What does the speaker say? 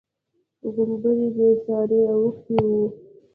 غومبري يې سره اوښتي وو.